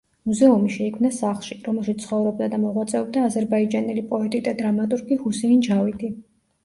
მუზეუმი შეიქმნა სახლში, რომელშიც ცხოვრობდა და მოღვაწეობდა აზერბაიჯანელი პოეტი და დრამატურგი ჰუსეინ ჯავიდი.